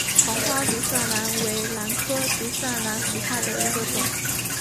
黄花独蒜兰为兰科独蒜兰属下的一个种。